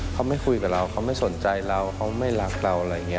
เขาไม่คุยกับเราเขาไม่สนใจเราเขาไม่รักเราอะไรอย่างนี้